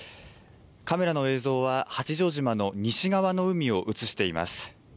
カメラの映像は、八丈島の西側の海を写しています。